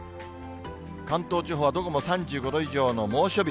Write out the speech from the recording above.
関東地方はどこも３５度以上の猛暑日。